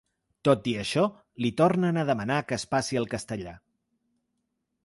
Tot i això, li tornen a demanar que es passi al castellà.